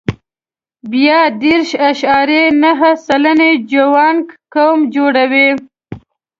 بیا دېرش اعشاریه نهه سلنه یې جوانګ قوم جوړوي.